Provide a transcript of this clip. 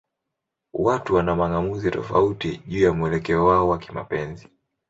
Watu wana mang'amuzi tofauti juu ya mwelekeo wao wa kimapenzi.